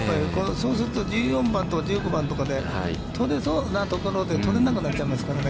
そうすると、１４番とか１５番とかで、取れそうなところで取れなくなっちゃいますからね。